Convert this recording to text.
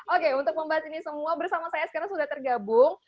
oke untuk membahas ini semua bersama saya sekarang sudah tergabung